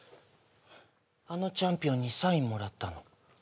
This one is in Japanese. あのチャンピオンにサインもらったの？